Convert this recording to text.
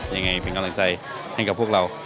ยังไงเป็นกำลังใจให้กับพวกเรา